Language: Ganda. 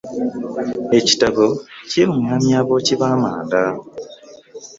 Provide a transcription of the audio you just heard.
Ekitabo Ekirungamya abookyi b’amanda